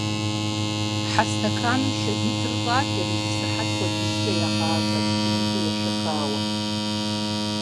Хьэ стэканым шэ литр щӀакӀэри, зы сыхьэт хуэдизкӀэ ягъавэ, цӀыкӀунитӀэу ешэхауэ.